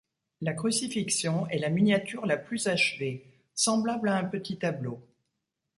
La crucifixion est la miniature la plus achevée, semblable à un petit tableau.